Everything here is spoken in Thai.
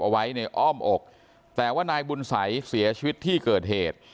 เอาไว้ในอ้อมอกแต่ว่านายบุญสัยเสียชีวิตที่เกิดเหตุ